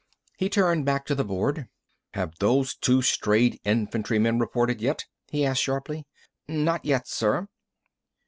He turned back to the board. "Have those two strayed infantrymen reported yet?" he asked sharply. "Not yet, sir."